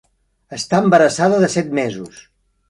Està embarassada de set mesos.